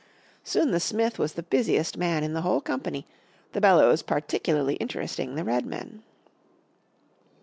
Soon the smith was the busiest man in the whole company, the bellows particularly interesting the Redmen.